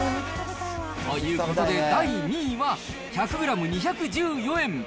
ということで、第２位は、１００グラム２１４円！